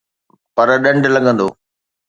پر ڏنڊ لڳندو